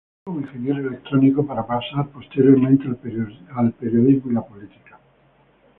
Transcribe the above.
Empezó como ingeniero electrónico, para pasar posteriormente al periodismo y la política.